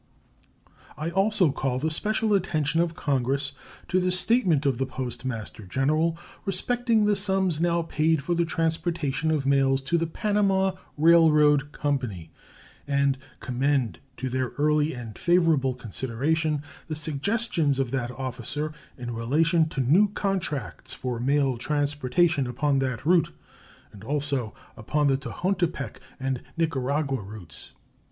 I also call the special attention of Congress to the statement of the Postmaster General respecting the sums now paid for the transportation of mails to the Panama Railroad Company, and commend to their early and favorable consideration the suggestions of that officer in relation to new contracts for mail transportation upon that route, and also upon the Tehuantepec and Nicaragua routes.